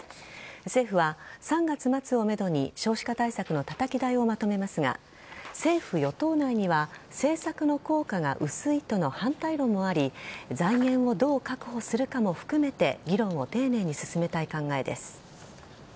政府は３月末をめどに少子化対策のたたき台をまとめますが政府与党内には政策の効果が薄いとの反対論もあり財源をどう確保するかも含めて議論を丁寧に進めたい考えです。